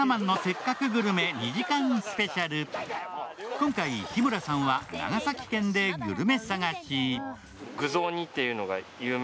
今回、日村さんは長崎県でグルメ探し。